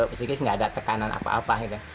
psikis nggak ada tekanan apa apa gitu